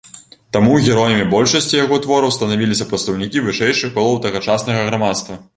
Таму героямі большасці яго твораў станавіліся прадстаўнікі вышэйшых колаў тагачаснага грамадства.